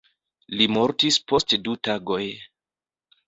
Li mortis post du tagoj.